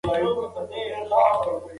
سوله تر جګړې ډېره غوره ده.